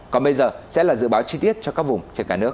còn bây giờ sẽ là dự báo chi tiết cho các vùng trên cả nước